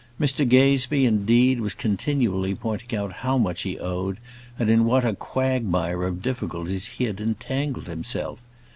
Mr Gazebee, indeed, was continually pointing out how much he owed, and in what a quagmire of difficulties he had entangled himself.